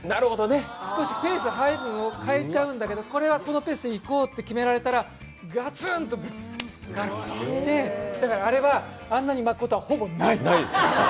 少しペース配分を変えちゃうんだけど、これはこのペースでいこうと決められたらガツンとやって、だからあれはあんなに巻くことは、ほぼない。